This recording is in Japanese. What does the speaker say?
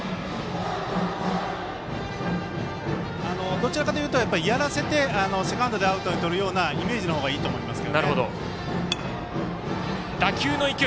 どちらかというとやらせてセカンドでアウトをとるようなイメージの方がいいと思いますけどね。